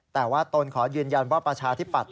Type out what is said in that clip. แต่ว่าตนขอยืนยันว่าประชาธิปัตย